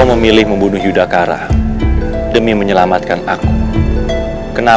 paman ini kesempatan kita